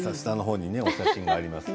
お写真もあります。